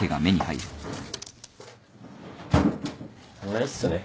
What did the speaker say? ないっすね。